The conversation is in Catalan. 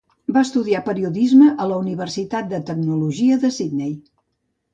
Va estudiar periodisme a la Universitat de Tecnologia de Sydney.